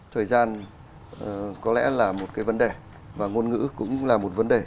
thời gian có lẽ là một cái vấn đề và ngôn ngữ cũng là một vấn đề